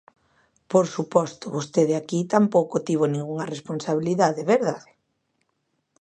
Por suposto, vostede aquí tampouco tivo ningunha responsabilidade, ¿verdade?